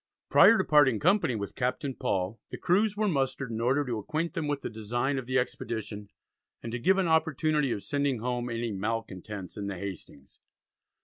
Prior to parting company with Captain Paul the crews were mustered in order to acquaint them with the design of the expedition, and to give an opportunity of sending home any "malcontents" in the Hastings.